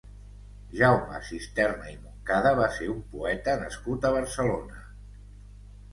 Jaume Sisterna i Montcada va ser un poeta nascut a Barcelona.